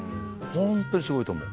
ホントにすごいと思う。